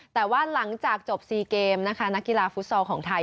แต่ว่าหลังจากจบ๔เกมนะคะนักกีฬาฟุตซอลของไทย